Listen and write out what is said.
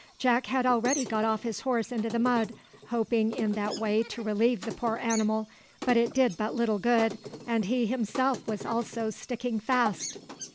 Jack had already got off his horse into the mud, hoping in that way to relieve the poor animal, but it did but little good, and he himself was also sticking fast!